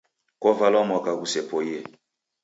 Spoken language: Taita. Kovalwa mwaka ghusepoie